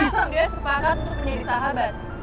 kita udah sepakat untuk menjadi sahabat